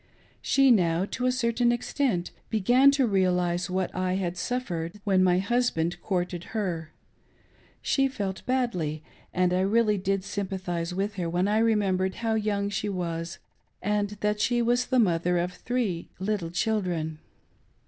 She now, to a certain extent, began to realise what I had suffered when my husband courted her ; she felt badly, and I really did sympathise with her when I remembered how young she was and that she was the, mother of three little children.